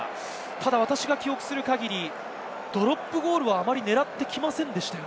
ただ私が記憶する限り、ドロップゴールはあまり狙ってきませんでした。